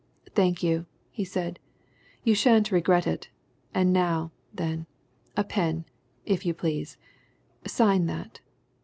"Thank you," he said. "You shan't regret it. And now, then a pen, if you please. Sign that."